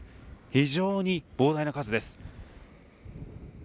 非常に膨大な数です。